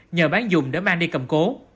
nhờ bán dùng để mang đi cầm cố